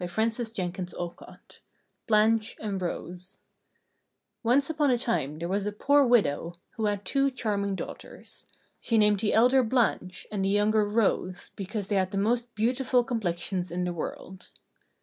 Charles Perrault BLANCHE AND ROSE Once upon a time there was a poor widow, who had two charming daughters. She named the elder Blanche, and the younger Rose, because they had the most beautiful complexions in the world.